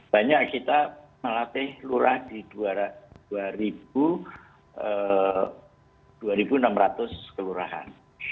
banyak kita melatih lurah di dua enam ratus kelurahan